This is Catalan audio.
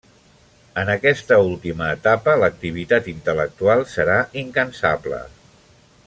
En aquesta última etapa l'activitat intel·lectual serà incansable.